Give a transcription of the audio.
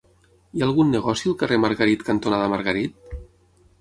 Hi ha algun negoci al carrer Margarit cantonada Margarit?